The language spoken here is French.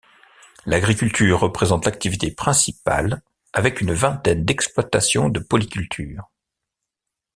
L’agriculture représente l’activité principale avec une vingtaine d’exploitations de polyculture.